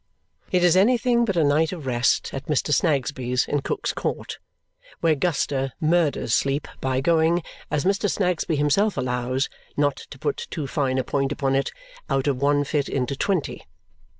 It is anything but a night of rest at Mr. Snagsby's, in Cook's Court, where Guster murders sleep by going, as Mr. Snagsby himself allows not to put too fine a point upon it out of one fit into twenty.